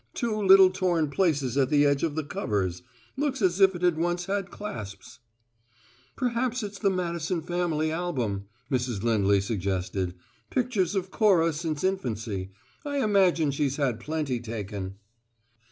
"Two little torn places at the edge of the covers. Looks as if it had once had clasps " "Perhaps it's the Madison family album," Mrs. Lindley suggested. "Pictures of Cora since infancy. I imagine she's had plenty taken."